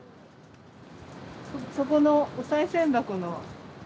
そこのおさい銭箱の。